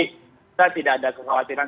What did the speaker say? kita tidak ada kekhawatiran